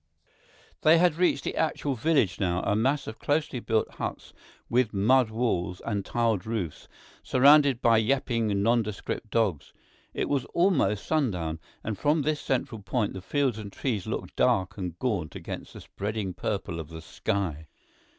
They had reached the actual village now, a mass of closely built huts with mud walls and tiled roofs, surrounded by yapping, nondescript dogs. It was almost sundown, and from this central point, the fields and trees looked dark and gaunt against the spreading purple of the sky.